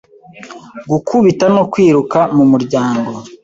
Gukubita no kwiruka mumuryango